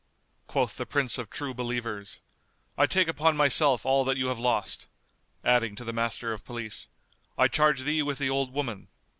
Quoth the Prince of True Believers, "I take upon myself all that you have lost"; adding to the Master of Police, "I charge thee with the old woman."